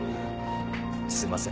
すいません。